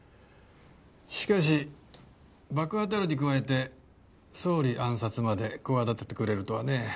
しかし爆破テロに加えて総理暗殺まで企ててくれるとはね。